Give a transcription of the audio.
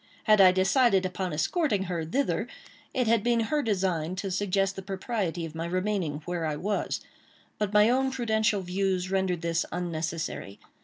Had I decided upon escorting her thither, it had been her design to suggest the propriety of my remaining where I was; but my own prudential views rendered this unnecessary.